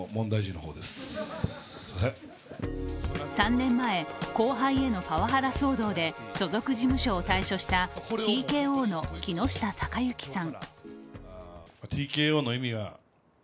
３年前、後輩へのパワハラ騒動で所属事務所を退所したＴＫＯの木下隆行さん。